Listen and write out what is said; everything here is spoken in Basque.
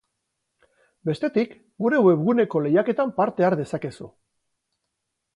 Bestetik, gure webguneko lehiaketan parte har dezakezu.